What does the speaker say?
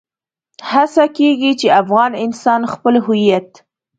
هڅه کېږي چې افغان انسان خپل هويت.